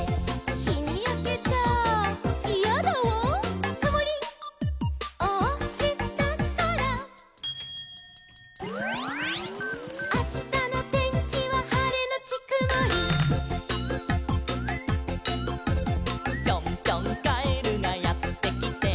「『ひにやけちゃイヤだわ』」「くもりをおしたから」「あしたのてんきははれのちくもり」「ぴょんぴょんカエルがやってきて」